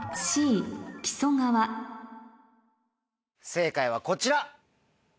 正解はこちら。